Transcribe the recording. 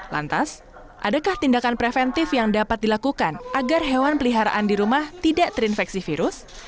lantas adakah tindakan preventif yang dapat dilakukan agar hewan peliharaan di rumah tidak terinfeksi virus